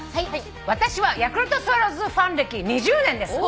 「私はヤクルトスワローズファン歴２０年です」